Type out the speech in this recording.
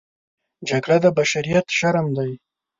جګړه د بشریت شرم دی